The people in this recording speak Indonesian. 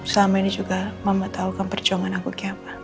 selama ini juga mama tau kan perjuangan aku kayak apa